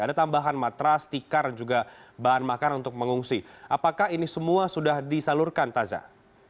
ada tambahan matras tikar juga bahan makanan untuk mengungsi apakah ini semua sudah disalurkan tazah